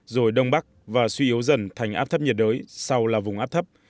rồi đông bắc và suy yếu dần thành áp thấp nhiệt đới sau là vùng áp thấp